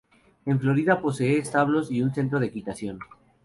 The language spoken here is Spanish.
En Florida posee establos y un centro de equitación.